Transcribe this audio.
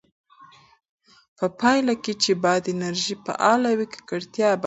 په پایله کې چې باد انرژي فعاله وي، ککړتیا به کمه شي.